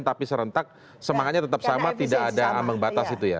tapi serentak semangatnya tetap sama tidak ada ambang batas itu ya